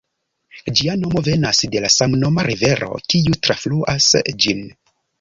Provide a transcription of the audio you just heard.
Ĝia nomo venas de la samnoma rivero, kiu trafluas ĝin.